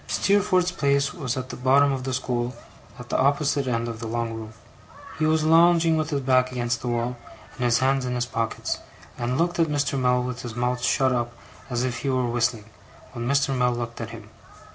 Steerforth's place was at the bottom of the school, at the opposite end of the long room. He was lounging with his back against the wall, and his hands in his pockets, and looked at Mr. Mell with his mouth shut up as if he were whistling, when Mr. Mell looked at him.